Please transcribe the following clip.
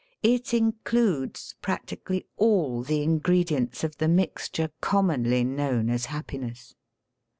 It includes practically aJI the ingredients of the mix ture coDunonly known as happiness.